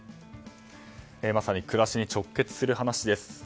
まさに暮らしに直結する話です。